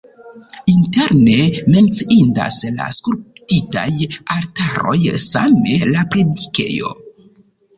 Interne menciindas la skulptitaj altaroj, same la predikejo.